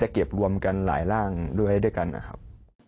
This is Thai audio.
เก็บรวมกันหลายร่างด้วยกันนะครับ